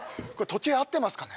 時計合ってますかね